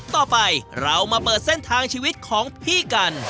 ต่อไปเรามาเปิดเส้นทางชีวิตของพี่กัน